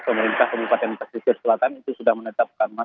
pemerintah kabupaten pesisir selatan itu sudah menetapkan